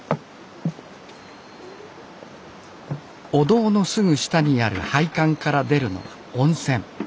お堂のすぐ下にある配管から出るのは温泉。